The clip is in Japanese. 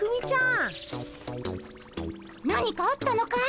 何かあったのかい？